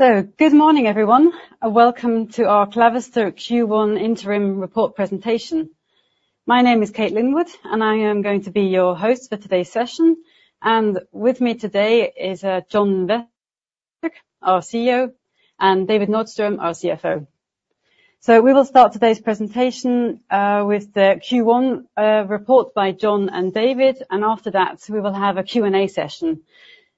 Good morning, everyone, and welcome to our Clavister Q1 interim report presentation. My name is Kate Linwood, and I am going to be your host for today's session. With me today is John Vestberg, our CEO, and David Nordström, our CFO. We will start today's presentation with the Q1 report by John and David, and after that, we will have a Q&A session.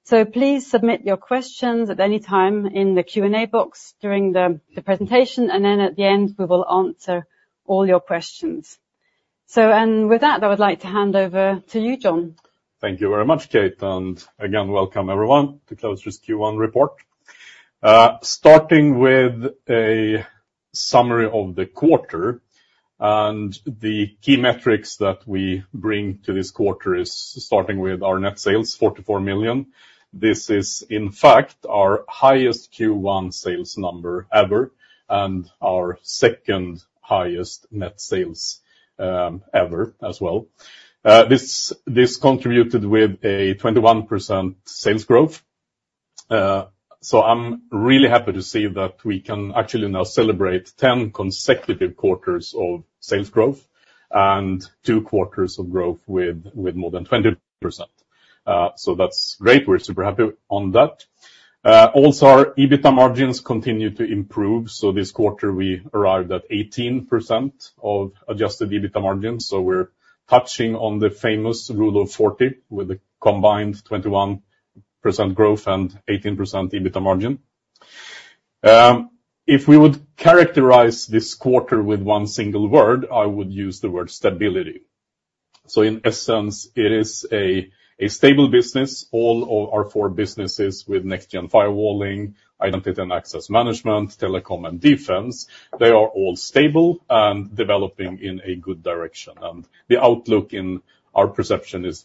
Please submit your questions at any time in the Q&A box during the presentation, and then at the end, we will answer all your questions. With that, I would like to hand over to you, John. Thank you very much, Kate, and again, welcome everyone to Clavister's Q1 report. Starting with a summary of the quarter, and the key metrics that we bring to this quarter is starting with our net sales, 44 million. This is in fact, our highest Q1 sales number ever, and our second highest net sales, ever as well. This contributed with a 21% sales growth. So I'm really happy to see that we can actually now celebrate 10 consecutive quarters of sales growth and 2 quarters of growth with, with more than 20%. So that's great. We're super happy on that. Also, our EBITDA margins continue to improve, so this quarter we arrived at 18% of adjusted EBITDA margin. So we're touching on the famous Rule of 40, with a combined 21% growth and 18% EBITDA margin. If we would characterize this quarter with one single word, I would use the word stability. So in essence, it is a stable business, all our four businesses with next-gen firewalling, identity and access management, telecom and defense. They are all stable and developing in a good direction, and the outlook in our perception is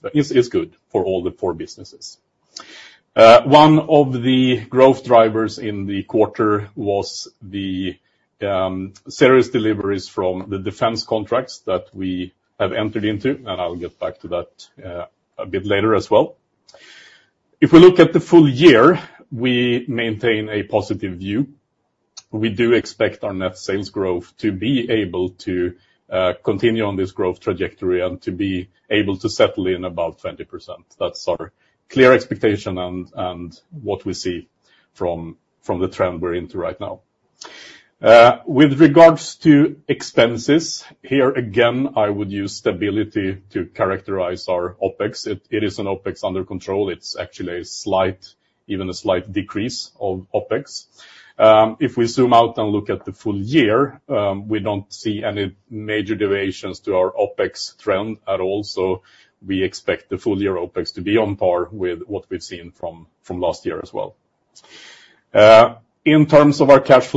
good for all the four businesses. One of the growth drivers in the quarter was the series deliveries from the defense contracts that we have entered into, and I'll get back to that, a bit later as well. If we look at the full year, we maintain a positive view. We do expect our net sales growth to be able to continue on this growth trajectory and to be able to settle in about 20%. That's our clear expectation and what we see from the trend we're into right now. With regards to expenses, here, again, I would use stability to characterize our OpEx. It is an OpEx under control. It's actually a slight decrease of OpEx. If we zoom out and look at the full year, we don't see any major deviations to our OpEx trend at all. So we expect the full year OpEx to be on par with what we've seen from last year as well. In terms of our cash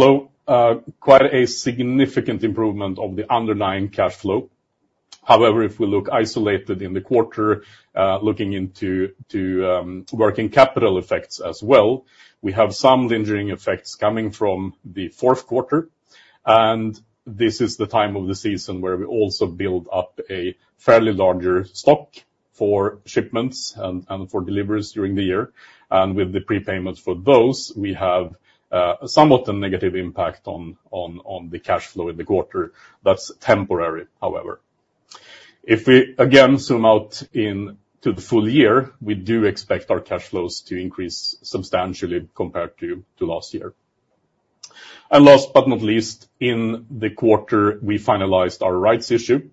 flow, quite a significant improvement of the underlying cash flow. However, if we look isolated in the quarter, looking into working capital effects as well, we have some lingering effects coming from the fourth quarter, and this is the time of the season where we also build up a fairly larger stock for shipments and for deliveries during the year. And with the prepayments for those, we have somewhat a negative impact on the cash flow in the quarter. That's temporary, however. If we again zoom out into the full year, we do expect our cash flows to increase substantially compared to last year. And last but not least, in the quarter, we finalized our rights issue,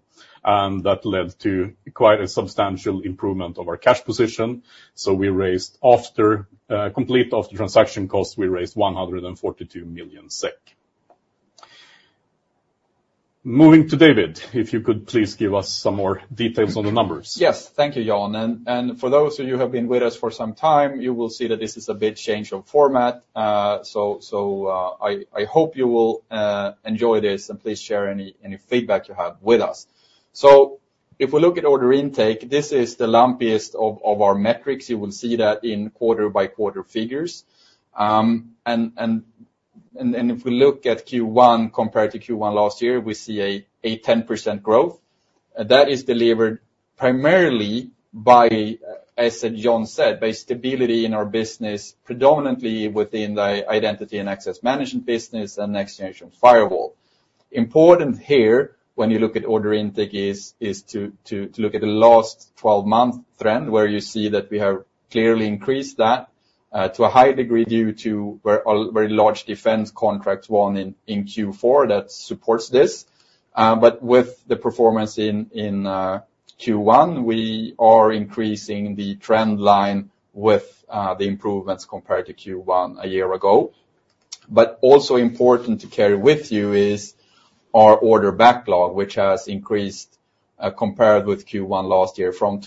and that led to quite a substantial improvement of our cash position. So, after completion of the transaction costs, we raised 142 million SEK. Moving to David, if you could please give us some more details on the numbers. Yes. Thank you, John. And for those of you who have been with us for some time, you will see that this is a big change of format. I hope you will enjoy this, and please share any feedback you have with us. So if we look at order intake, this is the lumpiest of our metrics. You will see that in quarter by quarter figures. If we look at Q1 compared to Q1 last year, we see a 10% growth. That is delivered primarily by, as John said, by stability in our business, predominantly within the identity and access management business and next generation firewall. Important here, when you look at order intake is to look at the last 12-month trend, where you see that we have clearly increased that to a high degree, due to a very large defense contract won in Q4 that supports this. But with the performance in Q1, we are increasing the trend line with the improvements compared to Q1 a year ago. But also important to carry with you is our order backlog, which has increased compared with Q1 last year from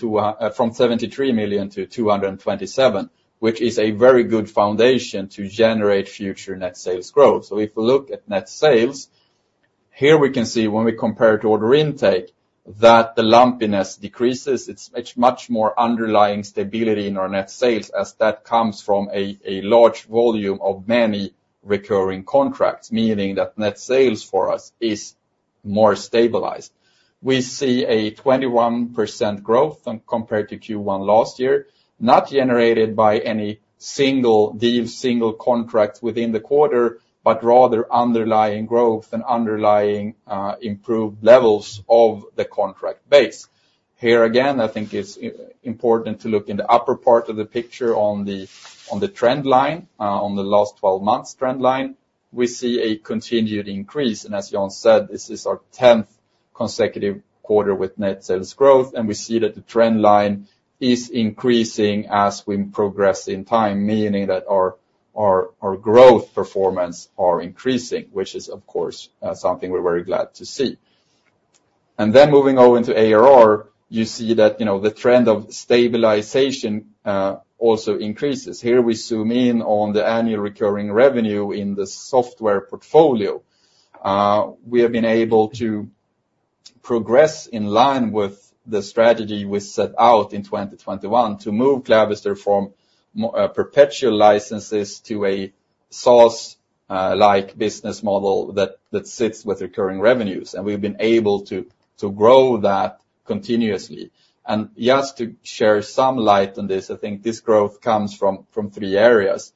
73 million to 227 million, which is a very good foundation to generate future net sales growth. So if we look at net sales, here we can see when we compare to order intake, that the lumpiness decreases. It's much, much more underlying stability in our net sales as that comes from a large volume of many recurring contracts, meaning that net sales for us is more stabilized. We see a 21% growth when compared to Q1 last year, not generated by any single deal, single contract within the quarter, but rather underlying growth and underlying, improved levels of the contract base. Here, again, I think it's important to look in the upper part of the picture on the trend line, on the last 12 months trend line, we see a continued increase. And as John said, this is our 10th consecutive quarter with net sales growth, and we see that the trend line is increasing as we progress in time, meaning that our growth performance are increasing, which is, of course, something we're very glad to see. Then moving over into ARR, you see that, you know, the trend of stabilization also increases. Here we zoom in on the annual recurring revenue in the software portfolio. We have been able to progress in line with the strategy we set out in 2021 to move Clavister from more perpetual licenses to a SaaS-like business model that sits with recurring revenues. And we've been able to grow that continuously. And just to share some light on this, I think this growth comes from three areas.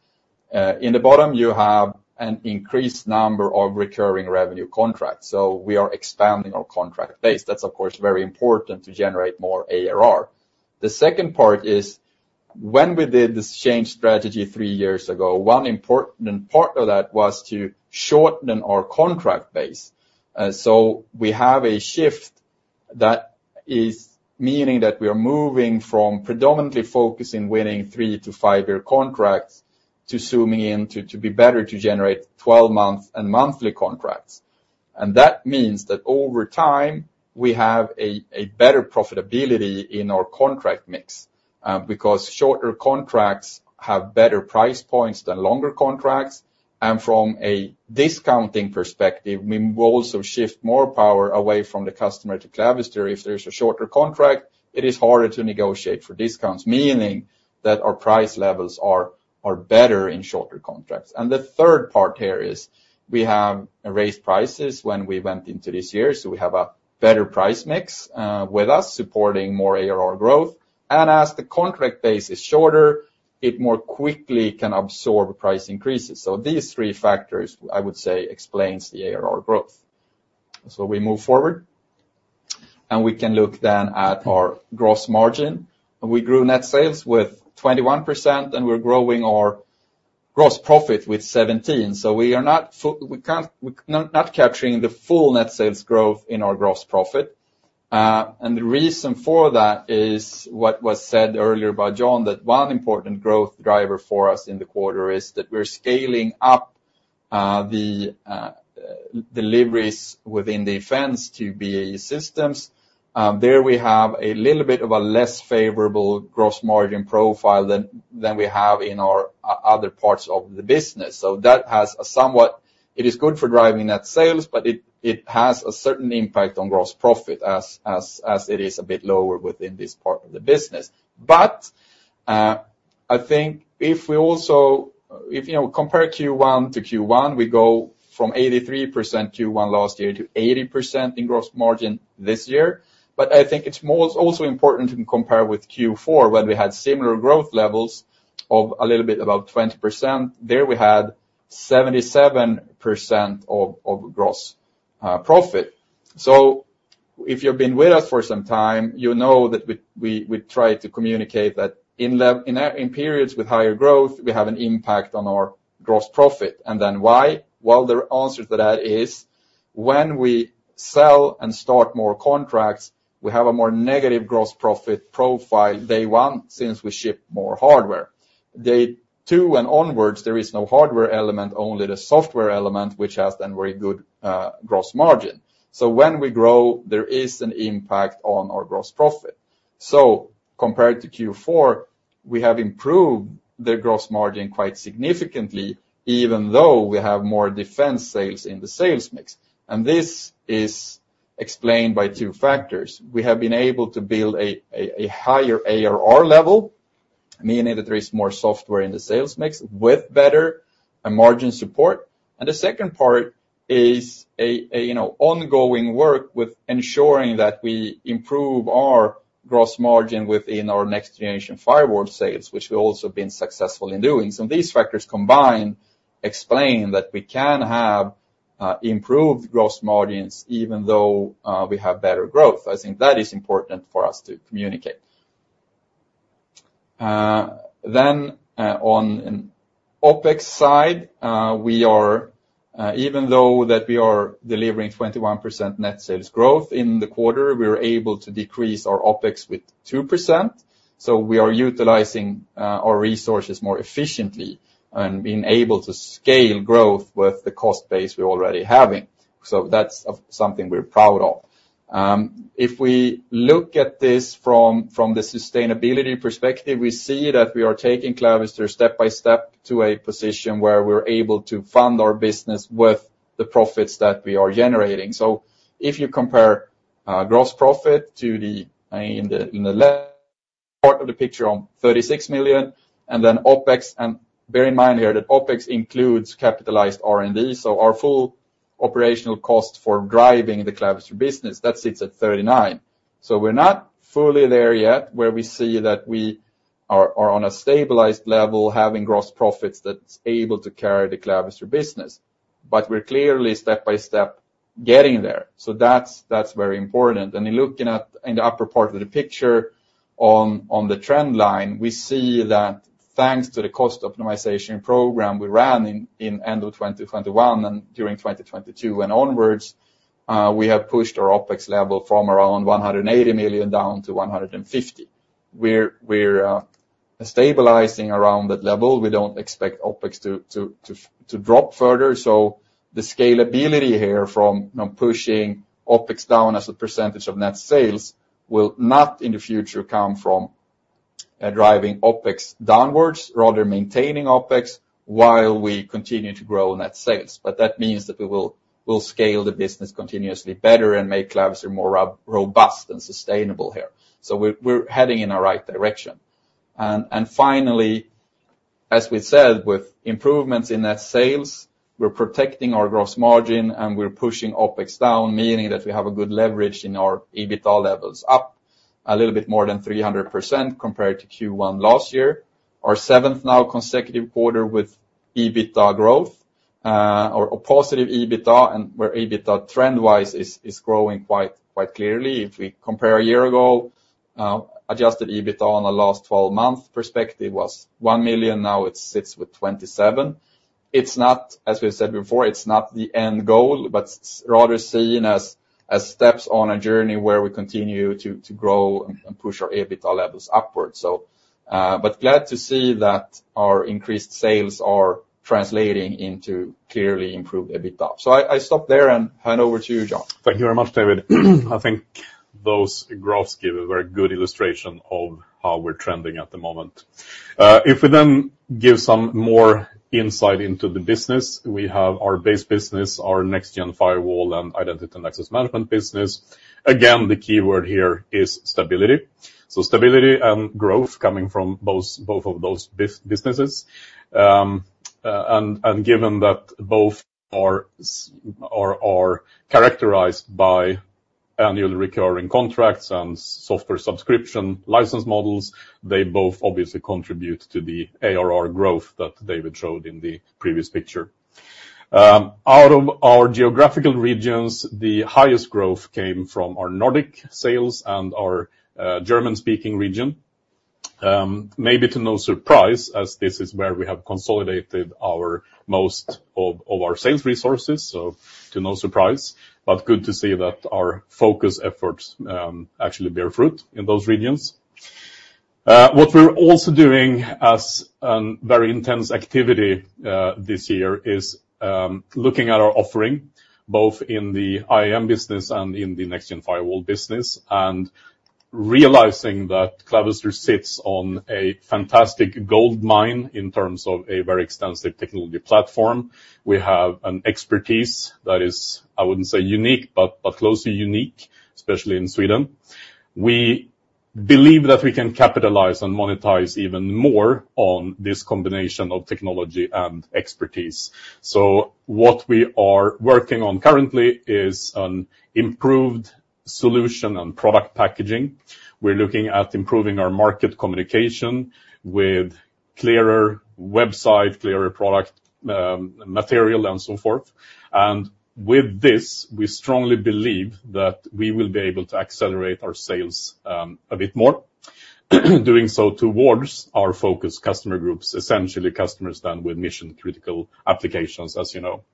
In the bottom, you have an increased number of recurring revenue contracts, so we are expanding our contract base. That's, of course, very important to generate more ARR. The second part is, when we did this change strategy three years ago, one important part of that was to shorten our contract base. So we have a shift that is meaning that we are moving from predominantly focusing winning 3-5-year contracts to zooming in to, to be better to generate 12-month and monthly contracts. And that means that over time, we have a, a better profitability in our contract mix, because shorter contracts have better price points than longer contracts. And from a discounting perspective, we will also shift more power away from the customer to Clavister. If there's a shorter contract, it is harder to negotiate for discounts, meaning that our price levels are, are better in shorter contracts. And the third part here is we have raised prices when we went into this year, so we have a better price mix, with us supporting more ARR growth. And as the contract base is shorter, it more quickly can absorb price increases. So these three factors, I would say, explains the ARR growth. So we move forward, and we can look then at our gross margin. We grew net sales with 21%, and we're growing our gross profit with 17%. So we are not – we're not capturing the full net sales growth in our gross profit. And the reason for that is what was said earlier by John, that one important growth driver for us in the quarter is that we're scaling up the deliveries within the defense to BAE Systems. There, we have a little bit of a less favorable gross margin profile than we have in our other parts of the business. So that has a somewhat... It is good for driving net sales, but it has a certain impact on gross profit as it is a bit lower within this part of the business. But I think if we also, you know, compare Q1 to Q1, we go from 83% Q1 last year to 80% in gross margin this year. But I think it's more also important to compare with Q4, when we had similar growth levels of a little bit about 20%. There, we had 77% of gross profit. So if you've been with us for some time, you know that we try to communicate that in periods with higher growth, we have an impact on our gross profit. And then why? Well, the answer to that is when we sell and start more contracts, we have a more negative gross profit profile day one, since we ship more hardware. Day two and onwards, there is no hardware element, only the software element, which has then very good gross margin. So when we grow, there is an impact on our gross profit. So compared to Q4, we have improved the gross margin quite significantly, even though we have more defense sales in the sales mix. And this is explained by two factors. We have been able to build a higher ARR level, meaning that there is more software in the sales mix with better and margin support. And the second part is, you know, ongoing work with ensuring that we improve our gross margin within our next-generation firewall sales, which we've also been successful in doing. So these factors combined explain that we can have improved gross margins, even though we have better growth. I think that is important for us to communicate. Then, on OpEx side, we are, even though that we are delivering 21% net sales growth in the quarter, we are able to decrease our OpEx with 2%. So we are utilizing our resources more efficiently and being able to scale growth with the cost base we're already having. So that's something we're proud of. If we look at this from the sustainability perspective, we see that we are taking Clavister step by step to a position where we're able to fund our business with the profits that we are generating. So if you compare gross profit to the in the left-... part of the picture on 36 million, and then OpEx, and bear in mind here that OpEx includes capitalized R&D, so our full operational cost for driving the Clavister business, that sits at 39 million. So we're not fully there yet, where we see that we are on a stabilized level, having gross profits that's able to carry the Clavister business. But we're clearly step by step getting there. So that's, that's very important. And in looking at the upper part of the picture on the trend line, we see that thanks to the cost optimization program we ran in end of 2021 and during 2022 and onwards, we have pushed our OpEx level from around 180 million down to 150 million. We're stabilizing around that level. We don't expect OpEx to drop further. So the scalability here from, you know, pushing OpEx down as a percentage of net sales will not, in the future, come from driving OpEx downwards, rather maintaining OpEx while we continue to grow net sales. But that means that we will, we'll scale the business continuously better and make Clavister more robust and sustainable here. So we're heading in the right direction. And finally, as we said, with improvements in net sales, we're protecting our gross margin, and we're pushing OpEx down, meaning that we have a good leverage in our EBITDA levels, up a little bit more than 300% compared to Q1 last year. Our seventh now consecutive quarter with EBITDA growth, or a positive EBITDA, and where EBITDA, trend-wise, is growing quite clearly. If we compare a year ago, adjusted EBITDA on the last twelve-month perspective was 1 million, now it sits with 27. It's not, as we said before, it's not the end goal, but it's rather seen as, as steps on a journey where we continue to, to grow and push our EBITDA levels upwards. So, but glad to see that our increased sales are translating into clearly improved EBITDA. So I, I stop there and hand over to you, John. Thank you very much, David. I think those graphs give a very good illustration of how we're trending at the moment. If we then give some more insight into the business, we have our base business, our next-gen firewall and identity and access management business. Again, the key word here is stability. So stability and growth coming from both of those businesses. And given that both are characterized by annual recurring contracts and software subscription license models, they both obviously contribute to the ARR growth that David showed in the previous picture. Out of our geographical regions, the highest growth came from our Nordic sales and our German-speaking region. Maybe to no surprise, as this is where we have consolidated most of our sales resources, so to no surprise, but good to see that our focus efforts actually bear fruit in those regions. What we're also doing as a very intense activity this year is looking at our offering, both in the IAM business and in the next-gen firewall business, and realizing that Clavister sits on a fantastic gold mine in terms of a very extensive technology platform. We have an expertise that is, I wouldn't say unique, but closely unique, especially in Sweden. We believe that we can capitalize and monetize even more on this combination of technology and expertise. So what we are working on currently is an improved solution and product packaging. We're looking at improving our market communication with clearer website, clearer product material, and so forth. With this, we strongly believe that we will be able to accelerate our sales a bit more, doing so towards our focus customer groups, essentially customers done with mission-critical applications, as you know.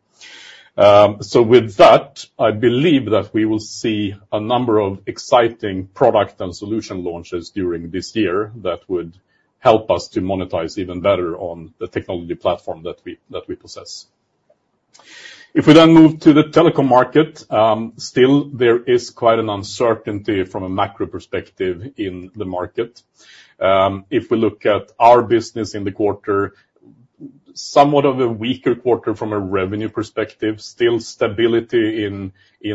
With that, I believe that we will see a number of exciting product and solution launches during this year that would help us to monetize even better on the technology platform that we possess. If we then move to the telecom market, still there is quite an uncertainty from a macro perspective in the market. If we look at our business in the quarter, somewhat of a weaker quarter from a revenue perspective, still stability in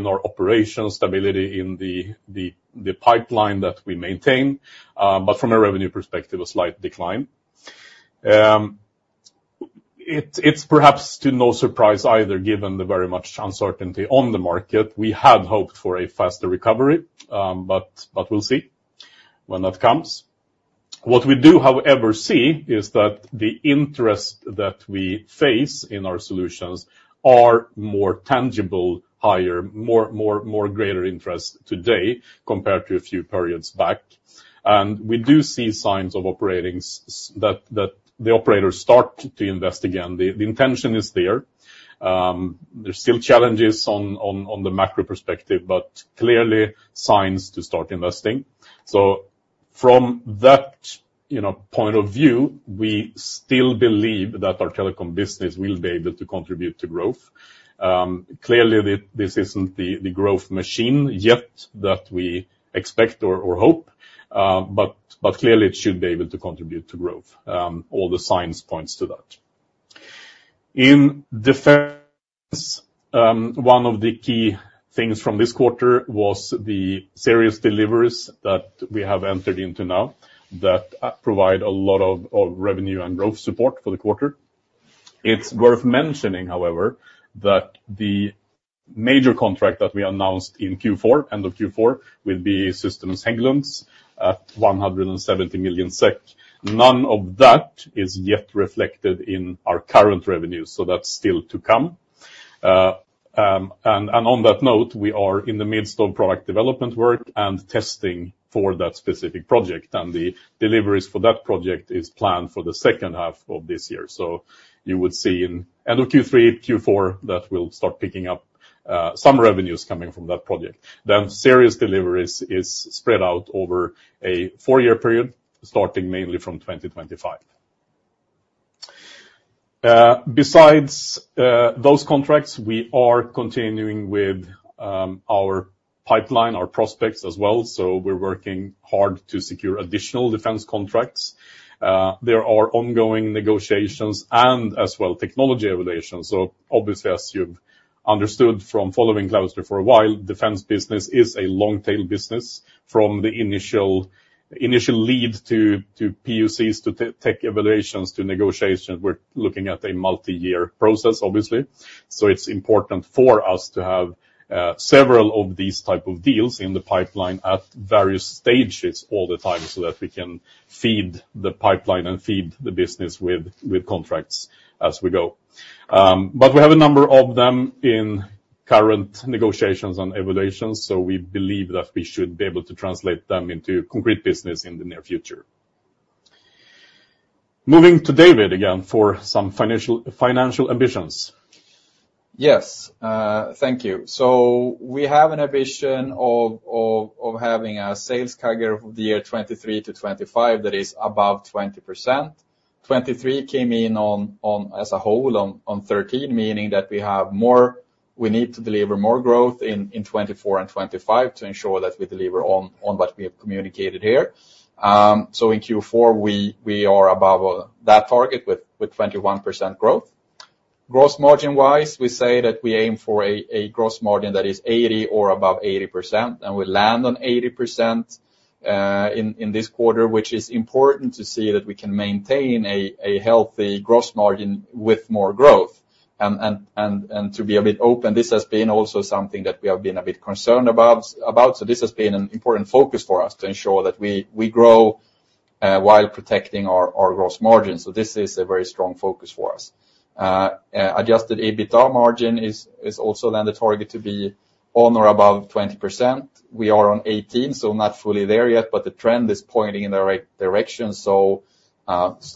our operations, stability in the pipeline that we maintain, but from a revenue perspective, a slight decline. It's perhaps to no surprise either, given the very much uncertainty on the market. We had hoped for a faster recovery, but we'll see when that comes. What we do, however, see is that the interest that we face in our solutions are more tangible, higher, more, more, more greater interest today compared to a few periods back. And we do see signs that the operators start to invest again. The intention is there. There's still challenges on the macro perspective, but clearly signs to start investing. So from that, you know, point of view, we still believe that our telecom business will be able to contribute to growth. Clearly, this isn't the growth machine yet that we expect or hope, but clearly, it should be able to contribute to growth. All the signs point to that... In defense, one of the key things from this quarter was the series deliveries that we have entered into now, that provide a lot of revenue and growth support for the quarter. It's worth mentioning, however, that the major contract that we announced in Q4, end of Q4, with BAE Systems Hägglunds at 170 million SEK. None of that is yet reflected in our current revenue, so that's still to come. On that note, we are in the midst of product development work and testing for that specific project, and the deliveries for that project is planned for the second half of this year. So you would see in end of Q3, Q4, that we'll start picking up some revenues coming from that project. Then serious deliveries is spread out over a four-year period, starting mainly from 2025. Besides those contracts, we are continuing with our pipeline, our prospects as well, so we're working hard to secure additional defense contracts. There are ongoing negotiations and as well, technology evaluations. So obviously, as you've understood from following Clavister for a while, defense business is a long-tail business from the initial lead to PoCs, to tech evaluations, to negotiations. We're looking at a multi-year process, obviously. So it's important for us to have several of these type of deals in the pipeline at various stages all the time, so that we can feed the pipeline and feed the business with contracts as we go. But we have a number of them in current negotiations and evaluations, so we believe that we should be able to translate them into concrete business in the near future. Moving to David again, for some financial ambitions. Yes, thank you. So we have an ambition of having a sales CAGR of the year 2023 to 2025, that is above 20%. 2023 came in as a whole on 13, meaning that we have more—we need to deliver more growth in 2024 and 2025 to ensure that we deliver on what we have communicated here. So in Q4, we are above that target with 21% growth. Gross margin-wise, we say that we aim for a gross margin that is 80% or above 80%, and we land on 80% in this quarter, which is important to see that we can maintain a healthy gross margin with more growth. To be a bit open, this has been also something that we have been a bit concerned about. So this has been an important focus for us to ensure that we grow while protecting our gross margin. So this is a very strong focus for us. Adjusted EBITDA margin is also then the target to be on or above 20%. We are on 18%, so not fully there yet, but the trend is pointing in the right direction. So,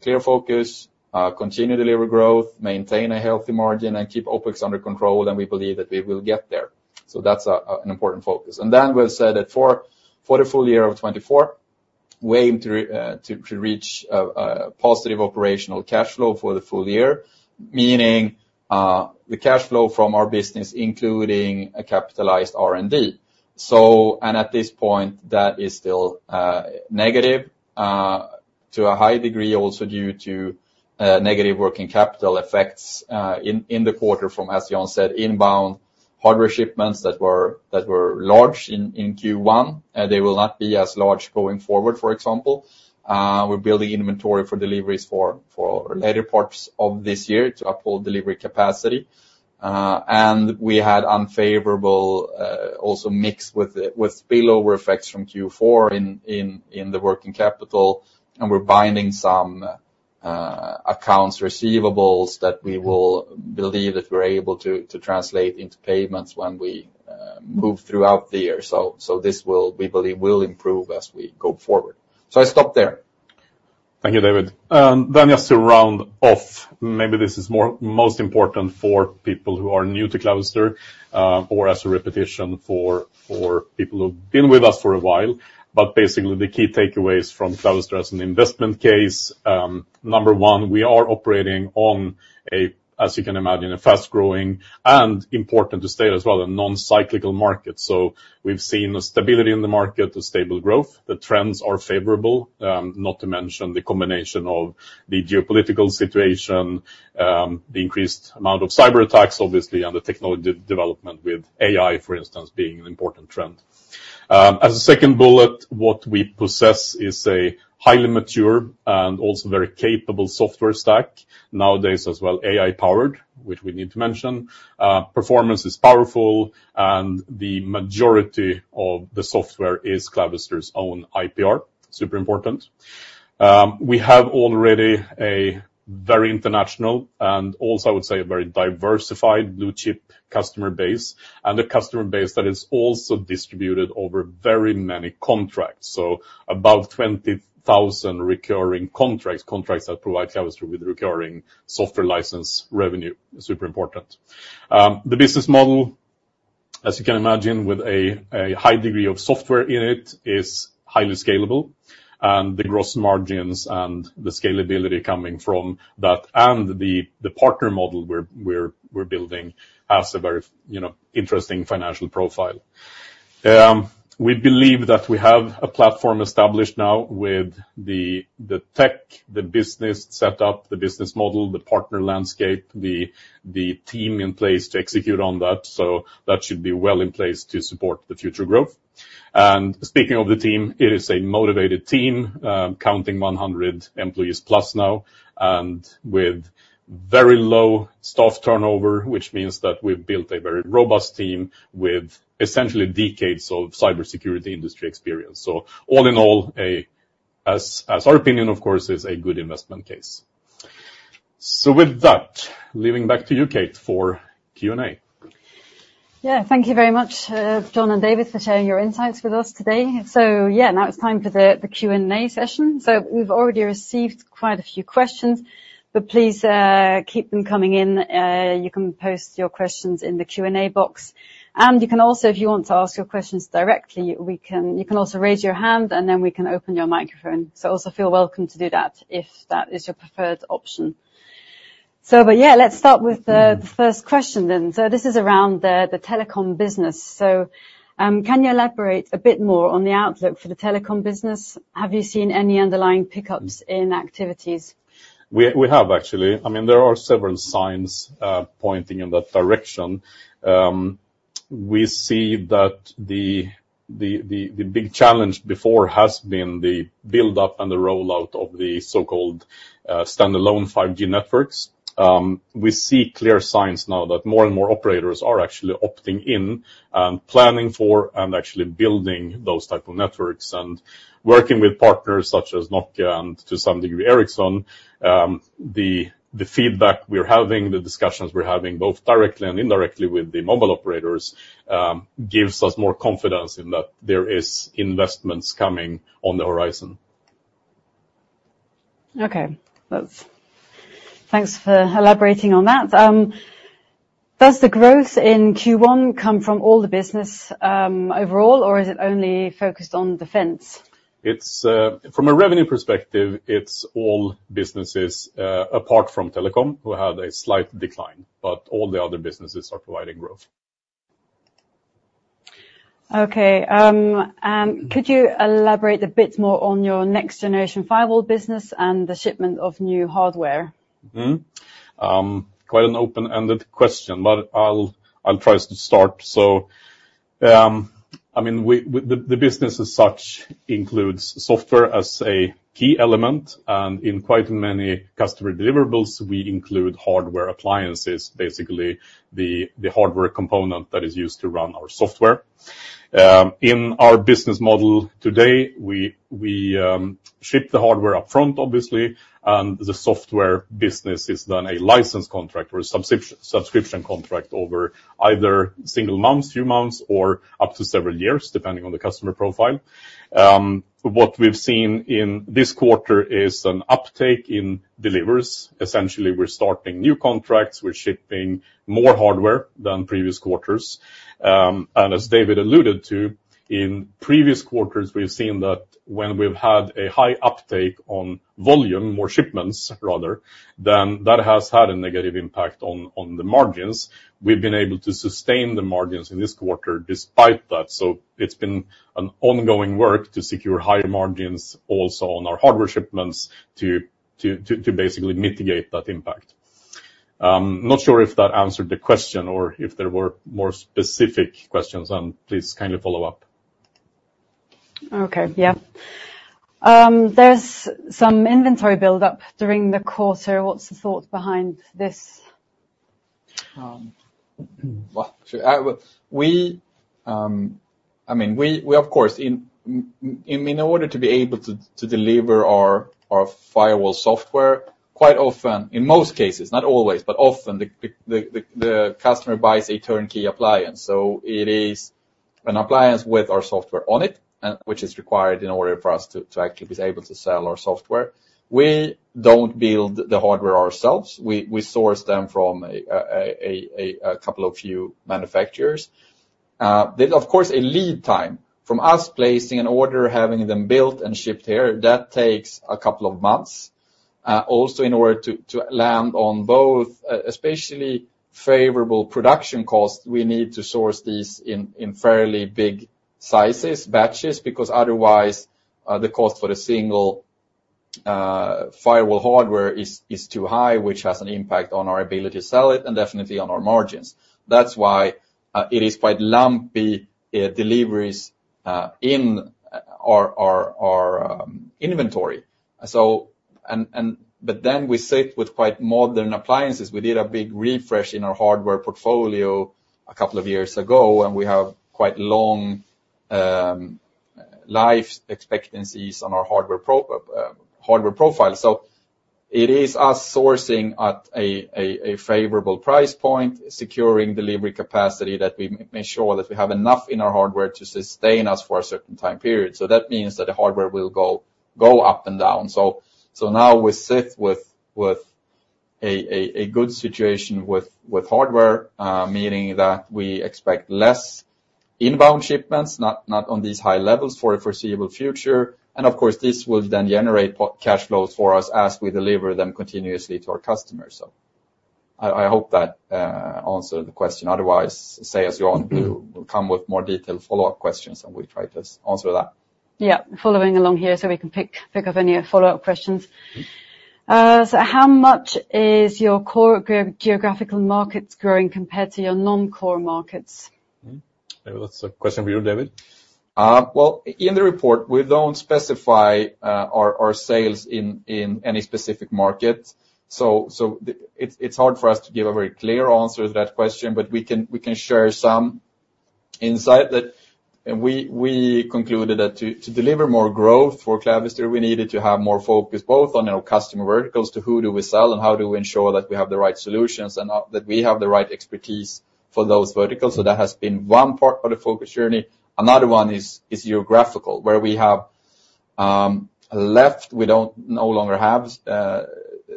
clear focus, continue delivery growth, maintain a healthy margin, and keep OpEx under control, and we believe that we will get there. So that's an important focus. And then we've said that for the full year of 2024, we aim to reach a positive operational cash flow for the full year, meaning the cash flow from our business, including capitalized R&D. So at this point, that is still negative to a high degree, also due to negative working capital effects in the quarter from, as John said, inbound hardware shipments that were large in Q1. They will not be as large going forward, for example. We're building inventory for deliveries for later parts of this year to uphold delivery capacity. We had unfavorable, also mixed with, spillover effects from Q4 in the working capital, and we're binding some accounts receivables that we will believe that we're able to translate into payments when we move throughout the year. So, this will, we believe, will improve as we go forward. So I stop there. Thank you, David. Then just to round off, maybe this is most important for people who are new to Clavister, or as a repetition for people who've been with us for a while. But basically, the key takeaways from Clavister as an investment case, number one, we are operating on a, as you can imagine, a fast-growing and important to state as well, a non-cyclical market. So we've seen a stability in the market, a stable growth. The trends are favorable, not to mention the combination of the geopolitical situation, the increased amount of cyberattacks, obviously, and the technology development with AI, for instance, being an important trend. As a second bullet, what we possess is a highly mature and also very capable software stack, nowadays as well, AI-powered, which we need to mention. Performance is powerful, and the majority of the software is Clavister's own IPR, super important. We have already a very international and also, I would say, a very diversified blue chip customer base, and a customer base that is also distributed over very many contracts. So above 20,000 recurring contracts, contracts that provide Clavister with recurring software license revenue, super important. The business model? As you can imagine, with a high degree of software in it, is highly scalable, and the gross margins and the scalability coming from that and the partner model we're building has a very, you know, interesting financial profile. We believe that we have a platform established now with the tech, the business set up, the business model, the partner landscape, the team in place to execute on that. So that should be well in place to support the future growth. And speaking of the team, it is a motivated team, counting 100 employees plus now, and with very low staff turnover, which means that we've built a very robust team with essentially decades of cybersecurity industry experience. So all in all, as our opinion, of course, is a good investment case. So with that, leaving back to you, Kate, for Q&A. Yeah, thank you very much, John and David, for sharing your insights with us today. So yeah, now it's time for the Q&A session. So we've already received quite a few questions, but please, keep them coming in. You can post your questions in the Q&A box. And you can also, if you want to ask your questions directly, you can also raise your hand, and then we can open your microphone. So also feel welcome to do that if that is your preferred option. So but, yeah, let's start with the first question then. So this is around the telecom business. So, can you elaborate a bit more on the outlook for the telecom business? Have you seen any underlying pick ups in activities? We have, actually. I mean, there are several signs pointing in that direction. We see that the big challenge before has been the build-up and the rollout of the so-called standalone 5G networks. We see clear signs now that more and more operators are actually opting in and planning for and actually building those type of networks and working with partners such as Nokia and to some degree, Ericsson. The feedback we're having, the discussions we're having, both directly and indirectly with the mobile operators, gives us more confidence in that there is investments coming on the horizon. Okay. That's... Thanks for elaborating on that. Does the growth in Q1 come from all the business, overall, or is it only focused on defense? It's from a revenue perspective. It's all businesses apart from telecom who had a slight decline, but all the other businesses are providing growth. Okay, and could you elaborate a bit more on your next-generation firewall business and the shipment of new hardware? Mm-hmm. Quite an open-ended question, but I'll try to start. So, I mean, the business as such includes software as a key element, and in quite many customer deliverables, we include hardware appliances, basically the hardware component that is used to run our software. In our business model today, we ship the hardware upfront, obviously, and the software business is then a license contract or a subscription contract over either single months, few months, or up to several years, depending on the customer profile. What we've seen in this quarter is an uptake in deliveries. Essentially, we're starting new contracts, we're shipping more hardware than previous quarters. As David alluded to, in previous quarters, we've seen that when we've had a high uptake on volume, more shipments rather, then that has had a negative impact on the margins. We've been able to sustain the margins in this quarter despite that. So it's been an ongoing work to secure higher margins also on our hardware shipments to basically mitigate that impact. Not sure if that answered the question or if there were more specific questions, and please kindly follow up. Okay, yeah. There's some inventory build up during the quarter. What's the thought behind this? Well, I mean, we, of course, in order to be able to deliver our firewall software, quite often, in most cases, not always, but often, the customer buys a turnkey appliance. So it is an appliance with our software on it, and which is required in order for us to actually be able to sell our software. We don't build the hardware ourselves. We source them from a couple of few manufacturers. Of course, there's a lead time from us placing an order, having them built and shipped here, that takes a couple of months. Also, in order to land on both, especially favorable production costs, we need to source these in fairly big sizes, batches, because otherwise, the cost for the single firewall hardware is too high, which has an impact on our ability to sell it and definitely on our margins. That's why it is quite lumpy deliveries in our inventory. So, but then we sit with quite modern appliances. We did a big refresh in our hardware portfolio a couple of years ago, and we have quite long life expectancies on our hardware profile. So it is us sourcing at a favorable price point, securing delivery capacity, that we make sure that we have enough in our hardware to sustain us for a certain time period. So that means that the hardware will go up and down. So now we sit with-... a good situation with hardware, meaning that we expect less inbound shipments, not on these high levels for the foreseeable future. And of course, this will then generate cash flows for us as we deliver them continuously to our customers. So I hope that answered the question. Otherwise, say, as you want, we'll come with more detailed follow-up questions, and we'll try to answer that. Yeah, following along here, so we can pick up any follow-up questions. How much is your core geographic markets growing compared to your non-core markets? Mm-hmm. That's a question for you, David. Well, in the report, we don't specify our sales in any specific market, so it's hard for us to give a very clear answer to that question, but we can share some insight that we concluded that to deliver more growth for Clavister, we needed to have more focus, both on our customer verticals, to who do we sell and how do we ensure that we have the right solutions and that we have the right expertise for those verticals. So that has been one part of the focus journey. Another one is geographical, where we have left; we no longer have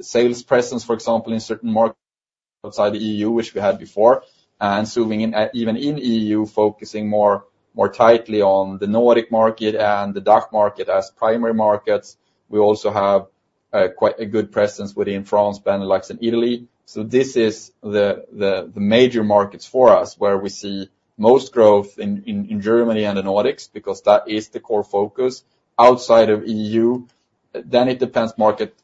sales presence, for example, in certain markets outside the EU, which we had before, and zooming in, even in EU, focusing more tightly on the Nordic market and the DACH market as primary markets. We also have quite a good presence within France, Benelux, and Italy. So this is the major markets for us, where we see most growth in Germany and the Nordics, because that is the core focus outside of EU. Then it depends market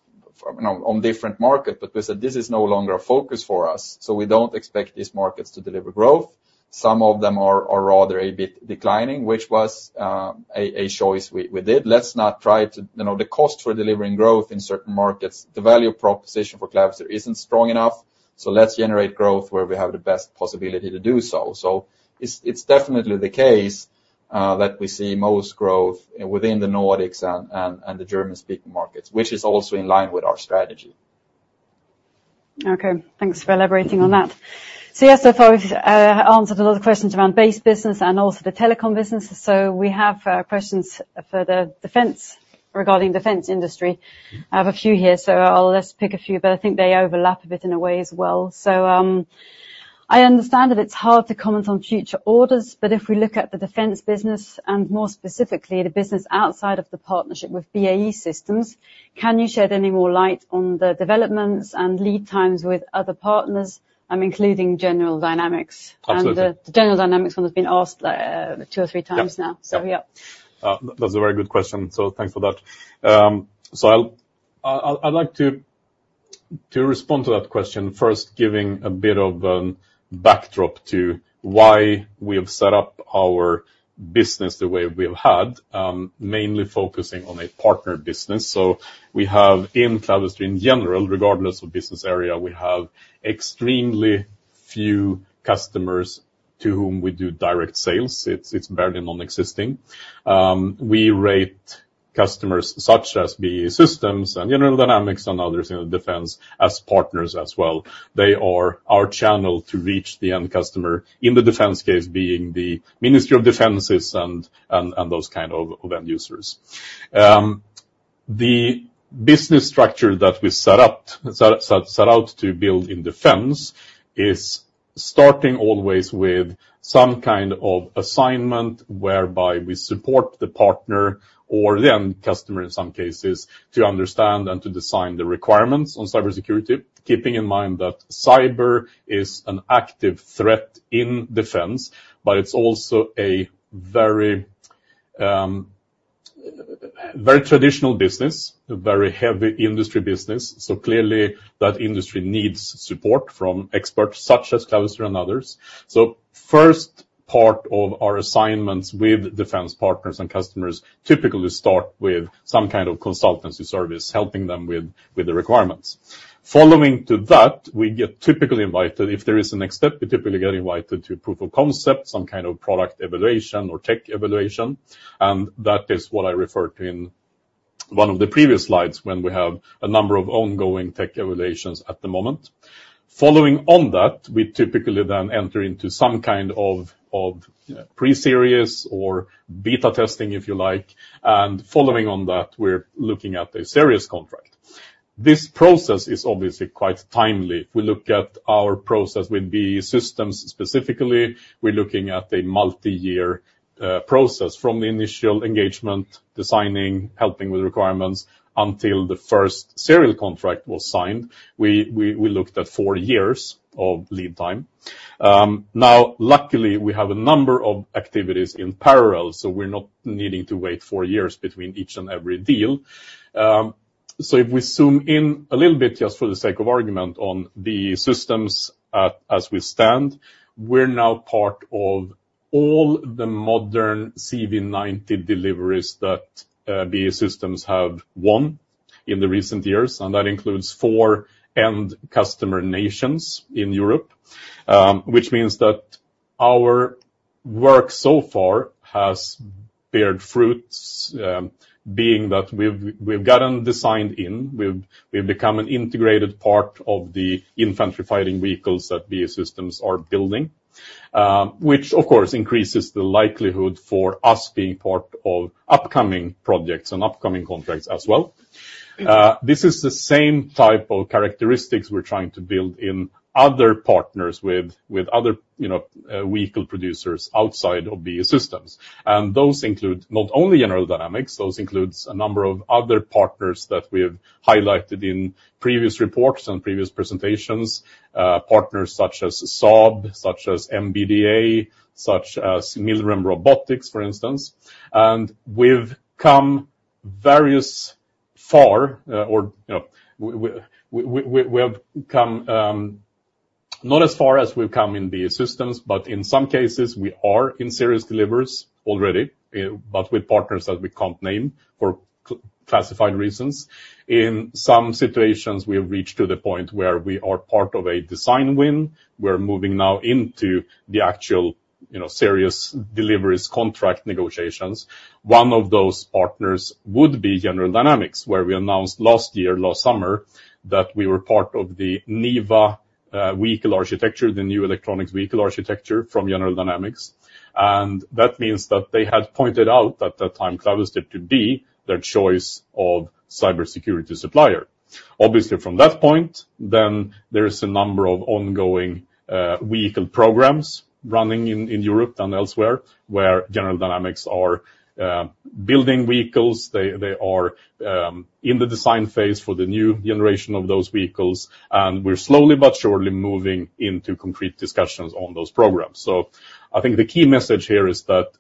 on different market, but we said this is no longer a focus for us, so we don't expect these markets to deliver growth. Some of them are rather a bit declining, which was a choice we did. Let's not try to—you know, the cost for delivering growth in certain markets, the value proposition for Clavister isn't strong enough, so let's generate growth where we have the best possibility to do so. So it's definitely the case that we see most growth within the Nordics and the German-speaking markets, which is also in line with our strategy. Okay, thanks for elaborating on that. So yes, so far, we've answered a lot of questions around base business and also the telecom business. So we have questions for the defense, regarding defense industry. I have a few here, so I'll just pick a few, but I think they overlap a bit in a way as well. So, I understand that it's hard to comment on future orders, but if we look at the defense business, and more specifically, the business outside of the partnership with BAE Systems, can you shed any more light on the developments and lead times with other partners, including General Dynamics? Absolutely. The General Dynamics one has been asked, two or three times now. Yeah. So, yeah. That's a very good question, so thanks for that. So I'll, I'd like to respond to that question, first giving a bit of a backdrop to why we have set up our business the way we have had, mainly focusing on a partner business. So we have in Clavister, in general, regardless of business area, we have extremely few customers to whom we do direct sales. It's barely non-existing. We rate customers such as BAE Systems and General Dynamics and others in the defense as partners as well. They are our channel to reach the end customer, in the defense case being the Ministry of Defenses and those kind of end users. The business structure that we set out to build in defense is starting always with some kind of assignment, whereby we support the partner or the end customer, in some cases, to understand and to design the requirements on cybersecurity, keeping in mind that cyber is an active threat in defense, but it's also a very, very traditional business, a very heavy industry business. So clearly, that industry needs support from experts such as Clavister and others. So first part of our assignments with defense partners and customers typically start with some kind of consultancy service, helping them with the requirements. Following to that, we get typically invited, if there is a next step, we typically get invited to proof of concept, some kind of product evaluation or tech evaluation, and that is what I referred to in one of the previous slides, when we have a number of ongoing tech evaluations at the moment. Following on that, we typically then enter into some kind of pre-series or beta testing, if you like, and following on that, we're looking at a serious contract. This process is obviously quite timely. If we look at our process with BAE Systems specifically, we're looking at a multi-year process from the initial engagement, designing, helping with requirements, until the first serial contract was signed. We looked at four years of lead time. Now, luckily, we have a number of activities in parallel, so we're not needing to wait four years between each and every deal. So if we zoom in a little bit, just for the sake of argument, on BAE Systems, as we stand, we're now part of all the modern CV90 deliveries that BAE Systems have won in the recent years, and that includes four end customer nations in Europe, which means that our work so far has borne fruit, being that we've gotten designed in, we've become an integrated part of the infantry fighting vehicles that BAE Systems are building, which, of course, increases the likelihood for us being part of upcoming projects and upcoming contracts as well. This is the same type of characteristics we're trying to build in other partners with other, you know, vehicle producers outside of BAE Systems. And those include not only General Dynamics, those includes a number of other partners that we have highlighted in previous reports and previous presentations. Partners such as Saab, such as MBDA, such as Milrem Robotics, for instance. And we've come various far, or, you know, we have come not as far as we've come in BAE Systems, but in some cases, we are in serious deliveries already, but with partners that we can't name for classified reasons. In some situations, we have reached to the point where we are part of a design win. We're moving now into the actual, you know, serious deliveries, contract negotiations. One of those partners would be General Dynamics, where we announced last year, last summer, that we were part of the NEVA vehicle architecture, the new electronics vehicle architecture from General Dynamics. And that means that they had pointed out at that time, Clavister to be their choice of cybersecurity supplier. Obviously, from that point, then there is a number of ongoing vehicle programs running in, in Europe and elsewhere, where General Dynamics are building vehicles. They, they are in the design phase for the new generation of those vehicles, and we're slowly but surely moving into concrete discussions on those programs. So I think the key message here is that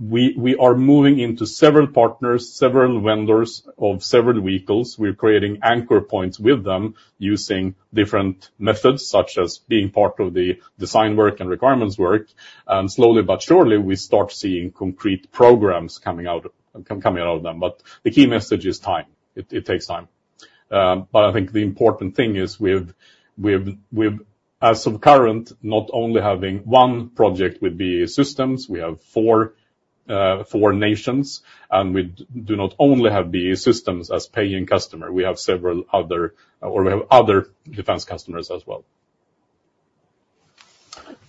we are moving into several partners, several vendors of several vehicles. We're creating anchor points with them using different methods, such as being part of the design work and requirements work, and slowly but surely, we start seeing concrete programs coming out, coming out of them. But the key message is time. It takes time. But I think the important thing is we've, as of current, not only having one project with BAE Systems, we have four, four nations, and we do not only have BAE Systems as paying customer, we have several other, or we have other defense customers as well.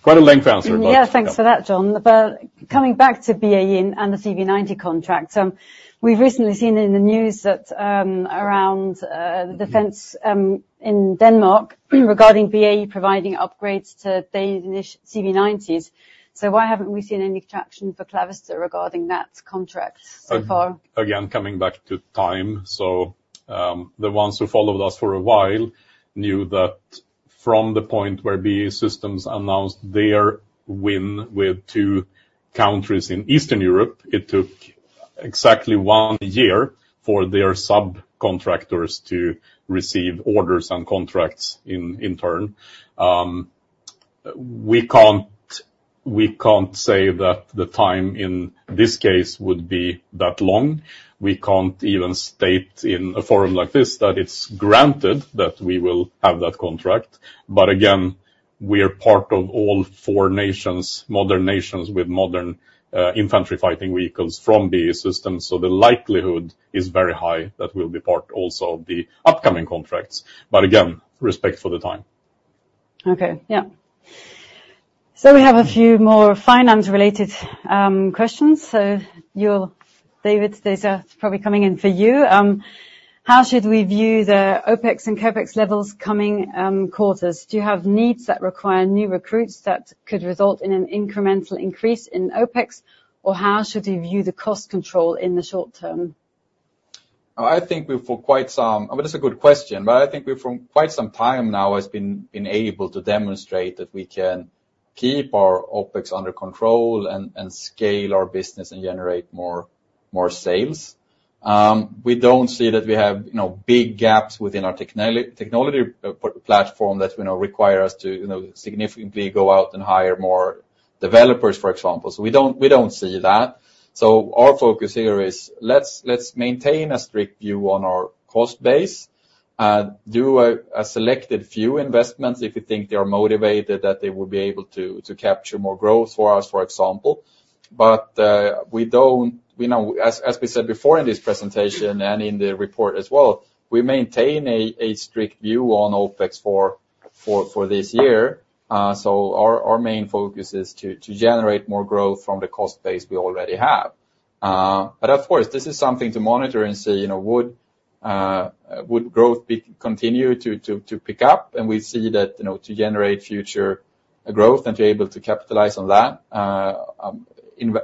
Quite a lengthy answer, but- Yeah, thanks for that, John. But coming back to BAE and the CV90 contract, we've recently seen in the news that, around, the defense, in Denmark, regarding BAE providing upgrades to the Danish CV90s. So why haven't we seen any traction for Clavister regarding that contract so far? Again, coming back to time. So, the ones who followed us for a while knew that from the point where BAE Systems announced their win with two countries in Eastern Europe, it took exactly one year for their subcontractors to receive orders and contracts in turn. We can't say that the time in this case would be that long. We can't even state in a forum like this, that it's granted that we will have that contract. But again, we are part of all four nations, modern nations with modern infantry fighting vehicles from BAE Systems, so the likelihood is very high that we'll be part also of the upcoming contracts. But again, respect for the time. Okay, yeah. So we have a few more finance-related questions. So you'll... David, these are probably coming in for you. How should we view the OpEx and CapEx levels coming quarters? Do you have needs that require new recruits that could result in an incremental increase in OpEx, or how should we view the cost control in the short term? I think we, for quite some... I mean, it's a good question, but I think we, for quite some time now, has been enabled to demonstrate that we can keep our OpEx under control and scale our business and generate more sales. We don't see that we have, you know, big gaps within our technology platform that we know require us to, you know, significantly go out and hire more developers, for example. So we don't see that. So our focus here is let's maintain a strict view on our cost base, and do a selected few investments, if you think they are motivated, that they will be able to capture more growth for us, for example. But we know, as we said before in this presentation, and in the report as well, we maintain a strict view on OpEx for this year. So our main focus is to generate more growth from the cost base we already have. But of course, this is something to monitor and say, you know, would growth continue to pick up? And we see that, you know, to generate future growth and to be able to capitalize on that,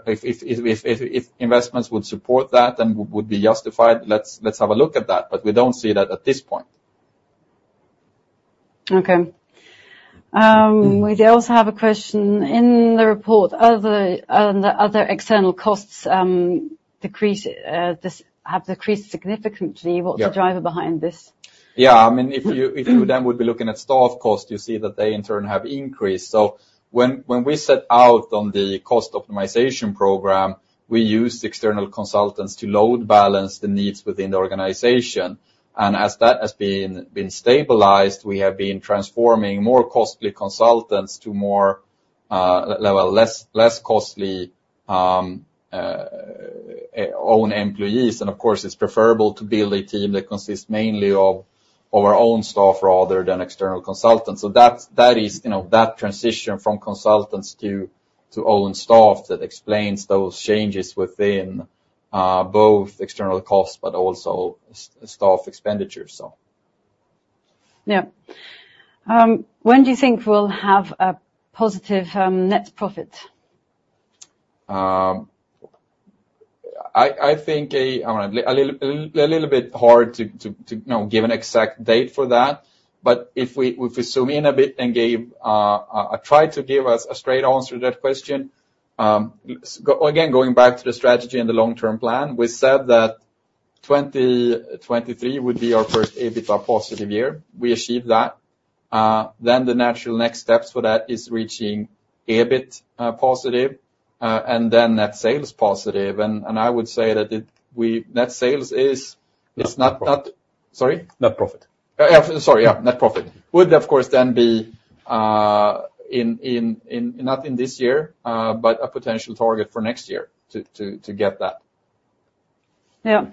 if investments would support that and would be justified, let's have a look at that, but we don't see that at this point. Okay. We also have a question, in the report, are the other external costs have decreased significantly- Yeah. What's the driver behind this? Yeah, I mean, if you, if you then would be looking at staff cost, you see that they, in turn, have increased. So when, when we set out on the cost optimization program, we used external consultants to load balance the needs within the organization. And as that has been stabilized, we have been transforming more costly consultants to more level less costly own employees. And of course, it's preferable to build a team that consists mainly of our own staff rather than external consultants. So that's, that is, you know, that transition from consultants to own staff that explains those changes within both external costs, but also staff expenditures, so. Yeah. When do you think we'll have a positive net profit? I think it's a little bit hard to, you know, give an exact date for that. But if we zoom in a bit and gave, I try to give a straight answer to that question. Again, going back to the strategy and the long-term plan, we said that 2023 would be our first EBITDA positive year. We achieved that. Then the natural next steps for that is reaching EBIT positive, and then net sales positive. And I would say that it – we, net sales is, it's not, not- Net profit. Sorry? Net profit. Yeah. Sorry, yeah, net profit. Would, of course, then be not in this year, but a potential target for next year to get that. Yeah.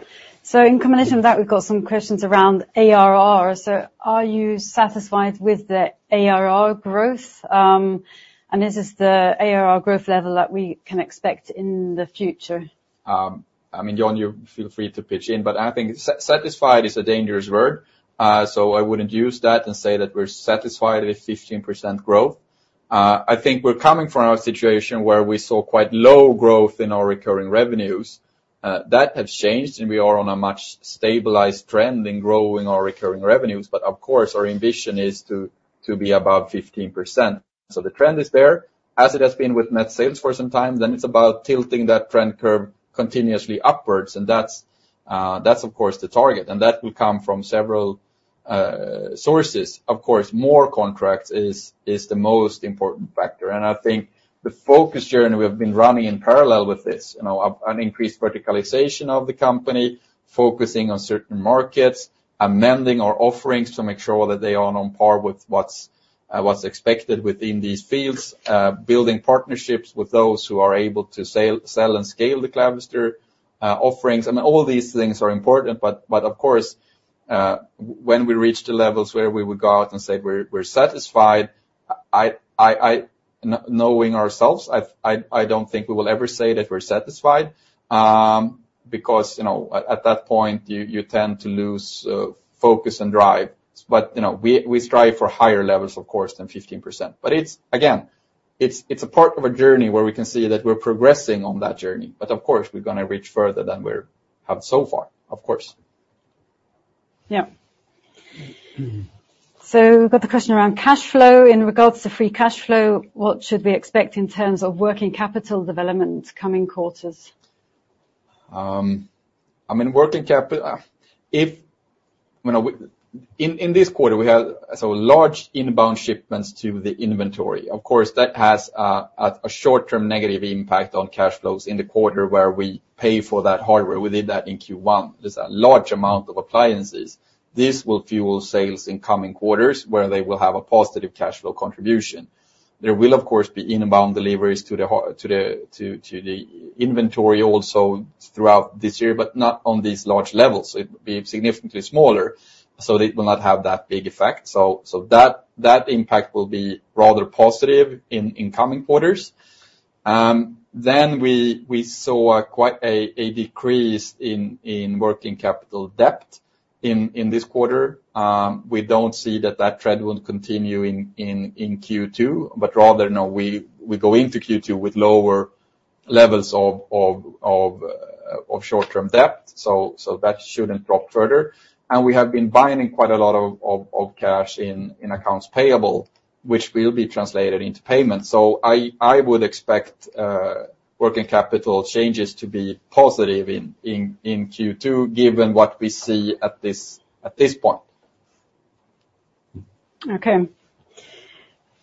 So in combination with that, we've got some questions around ARR. So are you satisfied with the ARR growth? And is this the ARR growth level that we can expect in the future? I mean, John, you feel free to pitch in, but I think satisfied is a dangerous word. So I wouldn't use that and say that we're satisfied with 15% growth. I think we're coming from a situation where we saw quite low growth in our recurring revenues. That has changed, and we are on a much stabilized trend in growing our recurring revenues. But of course, our ambition is to be above 15%. So the trend is there, as it has been with net sales for some time, then it's about tilting that trend curve continuously upwards, and that's, of course, the target, and that will come from several sources. Of course, more contracts is the most important factor. I think the focus journey we have been running in parallel with this, you know, an increased verticalization of the company, focusing on certain markets, amending our offerings to make sure that they are on par with what's expected within these fields, building partnerships with those who are able to sell and scale the Clavister offerings. I mean, all these things are important, but of course, when we reach the levels where we would go out and say, we're satisfied, knowing ourselves, I don't think we will ever say that we're satisfied, because, you know, at that point, you tend to lose focus and drive. But, you know, we strive for higher levels, of course, than 15%. But it's again, it's a part of a journey where we can see that we're progressing on that journey, but of course, we're gonna reach further than we're have so far, of course. Yeah. Mm-hmm. We've got the question around cash flow. In regards to free cash flow, what should we expect in terms of working capital development coming quarters? I mean, working capital, if, you know, we in, in this quarter, we have so large inbound shipments to the inventory. Of course, that has a short-term negative impact on cash flows in the quarter where we pay for that hardware. We did that in Q1. There's a large amount of appliances. This will fuel sales in coming quarters, where they will have a positive cash flow contribution. There will, of course, be inbound deliveries to the inventory also throughout this year, but not on these large levels. It would be significantly smaller, so it will not have that big effect. So, that impact will be rather positive in coming quarters. Then we saw quite a decrease in working capital debt in this quarter. We don't see that trend will continue in Q2, but rather, you know, we go into Q2 with lower levels of short-term debt, so that shouldn't drop further. And we have been buying quite a lot of cash in accounts payable, which will be translated into payments. So I would expect working capital changes to be positive in Q2, given what we see at this point. Okay.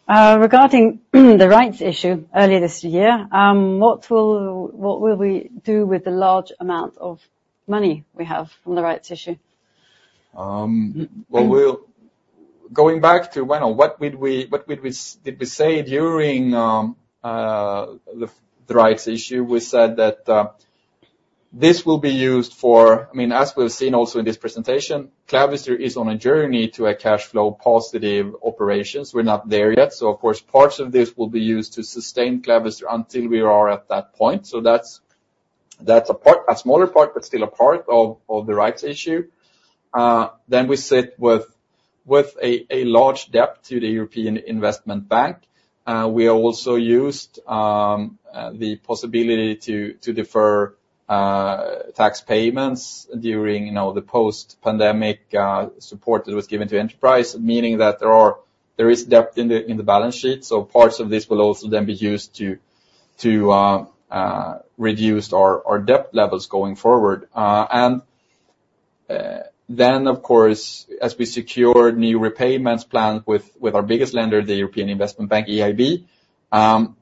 Regarding the rights issue earlier this year, what will, what will we do with the large amount of money we have from the rights issue? Well, going back to, you know, what did we say during the rights issue? We said that this will be used for—I mean, as we've seen also in this presentation, Clavister is on a journey to a cash flow positive operations. We're not there yet, so of course, parts of this will be used to sustain Clavister until we are at that point. So that's, that's a part, a smaller part, but still a part of the rights issue. Then we sit with a large debt to the European Investment Bank. We are also used the possibility to defer tax payments during, you know, the post-pandemic support that was given to enterprise, meaning that there is debt in the balance sheet, so parts of this will also then be used to reduce our debt levels going forward. And then, of course, as we secure new repayment plan with our biggest lender, the European Investment Bank, EIB,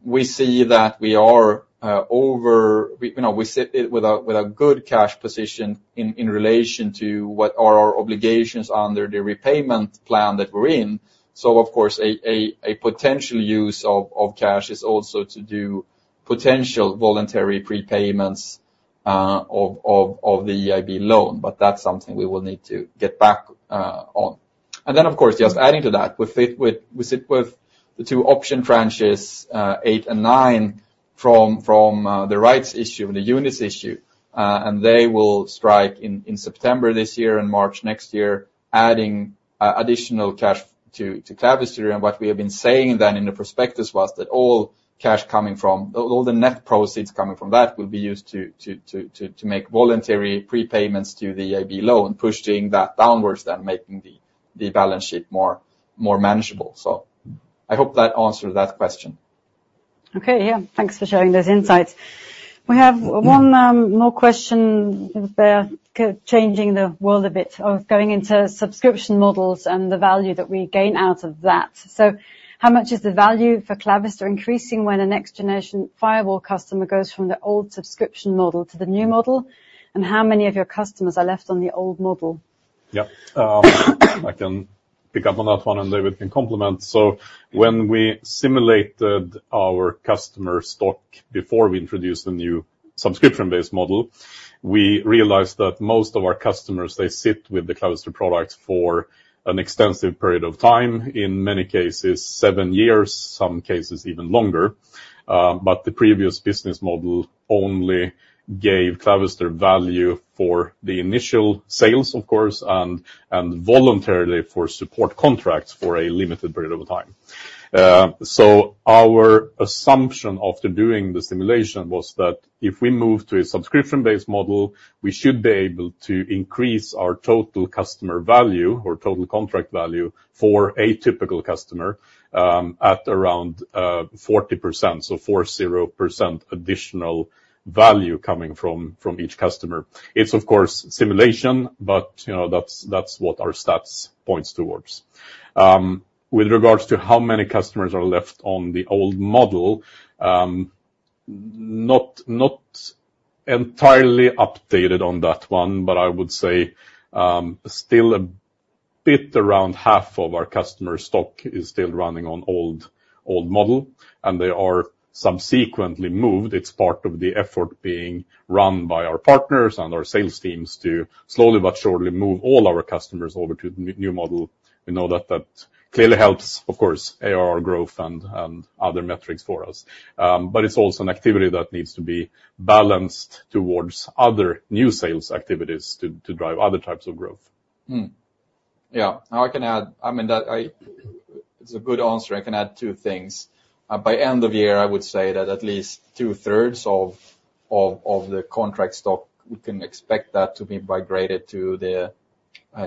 we see that we are over, you know, we sit with a good cash position in relation to what our obligations under the repayment plan that we're in. So of course, a potential use of cash is also to do potential voluntary prepayments. of the EIB loan, but that's something we will need to get back on. And then, of course, just adding to that, with, we sit with the two option tranches, eight and nine from the rights issue and the units issue, and they will strike in September this year and March next year, adding additional cash to Clavister. And what we have been saying then in the prospectus was that all the net proceeds coming from that will be used to make voluntary prepayments to the EIB loan, pushing that downwards, then making the balance sheet more manageable. So I hope that answered that question. Okay, yeah. Thanks for sharing those insights. We have one more question there, changing the world a bit, of going into subscription models and the value that we gain out of that. So how much is the value for Clavister increasing when a next-generation firewall customer goes from the old subscription model to the new model? And how many of your customers are left on the old model? Yeah. I can pick up on that one, and David can complement. So when we simulated our customer stock before we introduced the new subscription-based model, we realized that most of our customers, they sit with the Clavister product for an extensive period of time, in many cases, seven years, some cases even longer. But the previous business model only gave Clavister value for the initial sales, of course, and, and voluntarily for support contracts for a limited period of time. So our assumption after doing the simulation was that if we move to a subscription-based model, we should be able to increase our total customer value or total contract value for a typical customer, at around, forty percent, so 40% additional value coming from, from each customer. It's of course, simulation, but, you know, that's, that's what our stats points towards. With regards to how many customers are left on the old model, not, not entirely updated on that one, but I would say, still a bit around half of our customer stock is still running on old, old model, and they are subsequently moved. It's part of the effort being run by our partners and our sales teams to slowly but surely move all our customers over to the new model. We know that that clearly helps, of course, ARR growth and, other metrics for us. But it's also an activity that needs to be balanced towards other new sales activities to, to drive other types of growth. Yeah, I can add, I mean, it's a good answer. I can add two things. By end of the year, I would say that at least two-thirds of the contract stock we can expect that to be migrated to the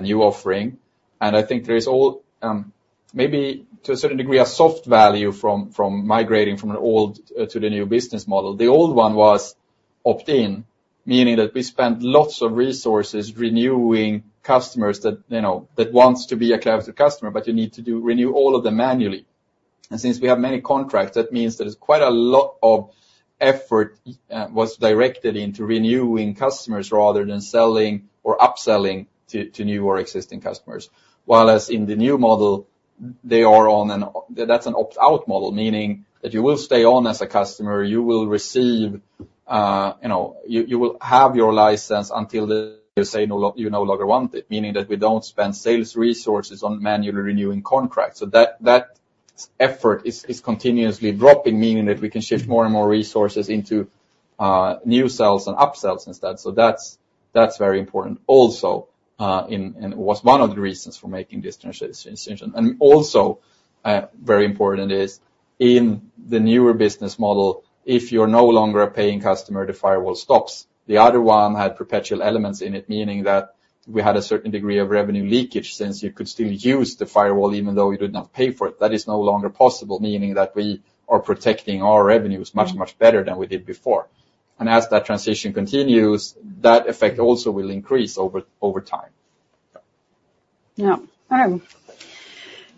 new offering. And I think there is all, maybe to a certain degree, a soft value from migrating from an old to the new business model. The old one was opt-in, meaning that we spent lots of resources renewing customers that, you know, that wants to be a Clavister customer, but you need to do renew all of them manually. And since we have many contracts, that means there is quite a lot of effort was directed into renewing customers rather than selling or upselling to new or existing customers. Whereas in the new model, they are on an... That's an opt-out model, meaning that you will stay on as a customer, you will receive, you know, you will have your license until you say no longer want it, meaning that we don't spend sales resources on manually renewing contracts. So that effort is continuously dropping, meaning that we can shift more and more resources into new sales and upsells instead. So that's very important. Also, and was one of the reasons for making this transition. And also, very important is in the newer business model, if you're no longer a paying customer, the firewall stops. The other one had perpetual elements in it, meaning that we had a certain degree of revenue leakage, since you could still use the firewall even though you did not pay for it. That is no longer possible, meaning that we are protecting our revenues much, much better than we did before. And as that transition continues, that effect also will increase over time. Yeah.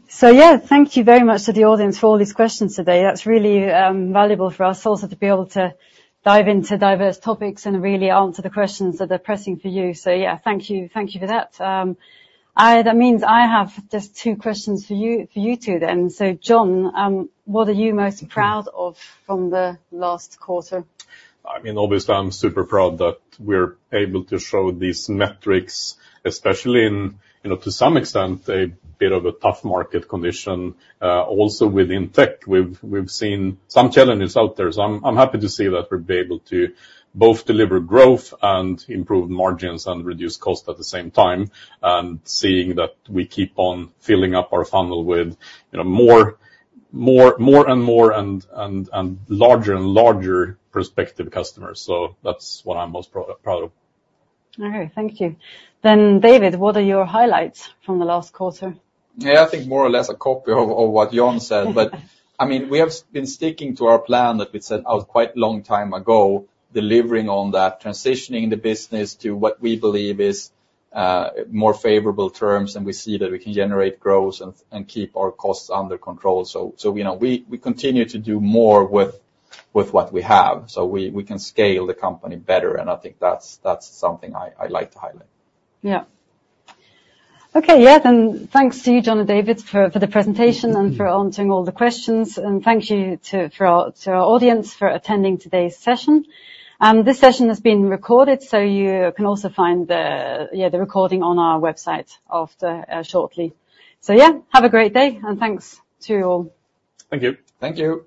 So yeah, thank you very much to the audience for all these questions today. That's really valuable for us also to be able to dive into diverse topics and really answer the questions that are pressing for you. So yeah, thank you, thank you for that. That means I have just two questions for you, for you two then. So John, what are you most proud of from the last quarter? I mean, obviously, I'm super proud that we're able to show these metrics, especially in, you know, to some extent, a bit of a tough market condition. Also within tech, we've seen some challenges out there. So I'm happy to see that we're able to both deliver growth and improve margins and reduce cost at the same time, and seeing that we keep on filling up our funnel with, you know, more and more, and larger and larger prospective customers. So that's what I'm most proud of. Okay, thank you. David, what are your highlights from the last quarter? Yeah, I think more or less a copy of what John said. But I mean, we have been sticking to our plan that we set out quite a long time ago, delivering on that, transitioning the business to what we believe is more favorable terms, and we see that we can generate growth and keep our costs under control. So, you know, we continue to do more with what we have, so we can scale the company better, and I think that's something I like to highlight. Yeah. Okay, yeah, then thanks to you, John and David, for the presentation and for answering all the questions. And thank you to our audience for attending today's session. This session has been recorded, so you can also find the recording on our website after shortly. So yeah, have a great day, and thanks to you all. Thank you. Thank you.